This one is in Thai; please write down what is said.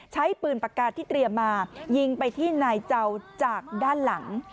ใช้ปืนปากกาที่เตรียมมายิงไปที่นายเจ้าจากด้านหลัง